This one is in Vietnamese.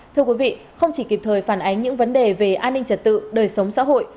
thưa quý vị không chỉ kịp thời phản ánh những vấn đề về an ninh trật tự đời sống xã hội